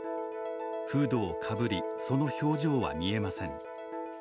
フードをかぶり、その表情は見えません。